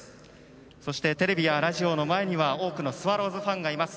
そしてテレビやラジオの前には多くのスワローズファンがいます。